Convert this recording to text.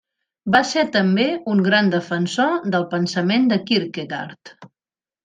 Va ser també un gran defensor del pensament de Kierkegaard.